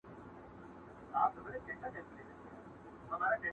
حقيقت د وخت په تېرېدو کم نه کيږي،